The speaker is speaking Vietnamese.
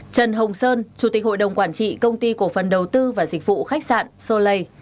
trần hồng sơn chủ tịch hội đồng quản trị công ty cổ phần đầu tư và dịch vụ khách sạn solay